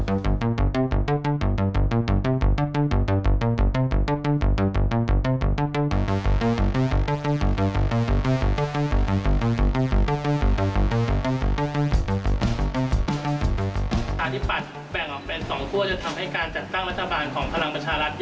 อาทิตย์ปัดแบ่งออกเป็น๒ข้อจะทำให้การจัดตั้งรัฐบาลของพลังประชารัฐยากขึ้นด้วยไหม